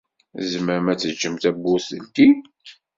Tzemrem ad teǧǧem tawwurt teldi?